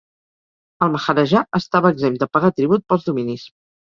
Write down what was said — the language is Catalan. El maharajà estava exempt de pagar tribut pels dominis.